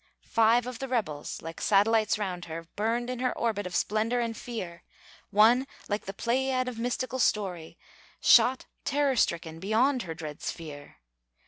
Five of the rebels, like satellites round her, Burned in her orbit of splendor and fear; One, like the Pleiad of mystical story, Shot, terror stricken, beyond her dread sphere.